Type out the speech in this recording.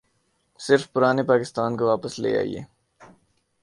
صرف پرانے پاکستان کو واپس لے آئیے۔